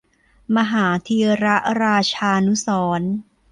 มหาธีรราชานุสรณ์